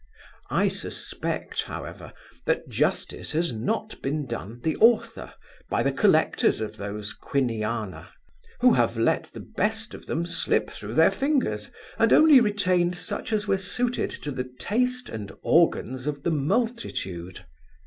I suspect, however, that justice has not been done the author, by the collectors of those Quiniana; who have let the best of them slip through their fingers, and only retained such as were suited to the taste and organs of the multitude.